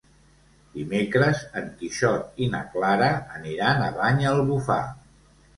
Dimecres en Quixot i na Clara aniran a Banyalbufar.